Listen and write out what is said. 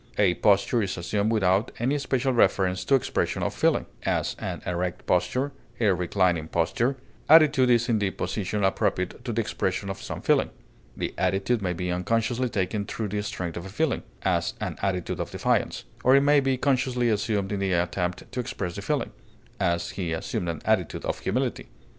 A posture is assumed without any special reference to expression of feeling; as, an erect posture, a reclining posture; attitude is the position appropriate to the expression of some feeling; the attitude may be unconsciously taken through the strength of the feeling; as, an attitude of defiance; or it may be consciously assumed in the attempt to express the feeling; as, he assumed an attitude of humility.